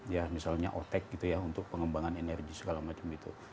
ya misalnya otec gitu ya untuk pengembangan energi segala macam itu